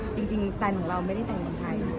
จริงแปลงของเราไม่ได้แต่งเมืองไทย